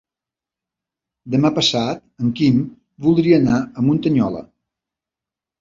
Demà passat en Quim voldria anar a Muntanyola.